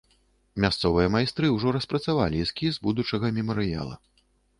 Мясцовыя майстры ўжо распрацавалі эскіз будучага мемарыяла.